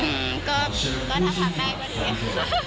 มีขัดการติดต่อกันไป๒วัน๑วัน๒วัน๓วันนะคะ